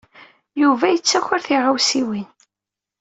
Yuba yettaker tiɣawsiwin.